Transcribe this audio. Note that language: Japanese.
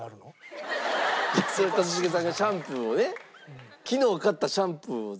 それは一茂さんがシャンプーをね昨日買ったシャンプーを全部使われた。